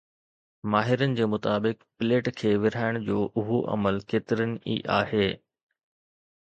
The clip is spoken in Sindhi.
ماهرن جي مطابق، پليٽ کي ورهائڻ جو اهو عمل ڪيترن ئي آهي